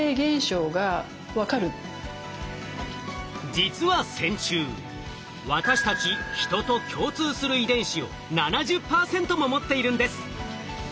実は線虫私たちヒトと共通する遺伝子を７０％も持っているんです。